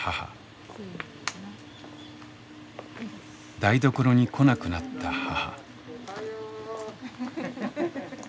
台所に来なくなった母。